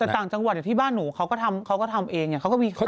แต่ต่างจังหวัดอย่างที่บ้านหนูเค้าก็ทำเองเค้าก็มีข้าว